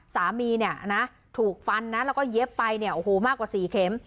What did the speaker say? สามีเนี่ยนะถูกฟันนะแล้วก็เย็บไปเนี่ยโอ้โหมากกว่า๔เข็ม